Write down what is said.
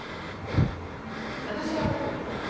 私は分かるけど。